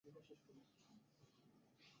আপাতত সেটা লাগবে না।